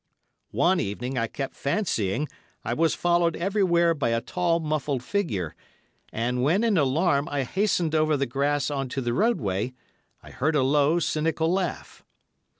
One evening I kept fancying I was followed everywhere by a tall, muffled figure, and when, in alarm, I hastened over the grass on to the roadway, I heard a low, cynical laugh.